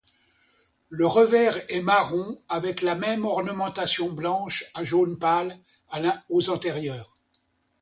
Le revers est marron avec la même ornementation blanche à jaune pâle aux antérieures.